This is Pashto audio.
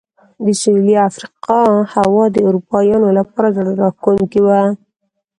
د سوېلي افریقا هوا د اروپایانو لپاره زړه راښکونکې وه.